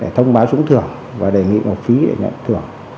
để thông báo chúng thưởng và đề nghị nộp phí để nhận thưởng